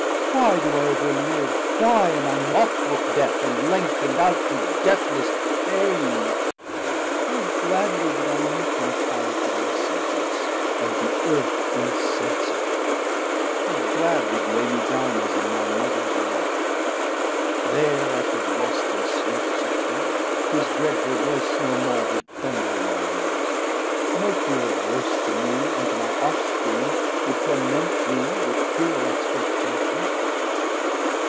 why do I overlive, Why am I mockt with death, and length'nd out To deathless pain? how gladly would I meet Mortalitie my sentence, and be Earth Insensible, how glad would lay me down As in my Mothers lap? there I should rest And sleep secure; his dreadful voice no more Would Thunder in my ears, no fear of worse 780 To mee and to my ofspring would torment me With cruel expectation.